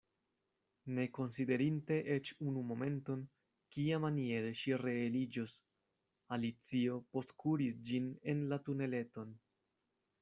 Ne konsiderinte eĉ unu momenton, kiamaniere ŝi reeliĝos, Alicio postkuris ĝin en la tuneleton.